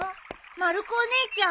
まる子お姉ちゃん。